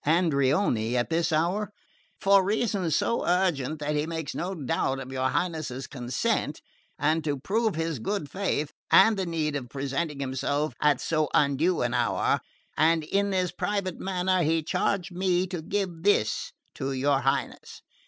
"Andreoni? At this hour?" "For reasons so urgent that he makes no doubt of your Highness's consent; and to prove his good faith, and the need of presenting himself at so undue an hour, and in this private manner, he charged me to give this to your Highness."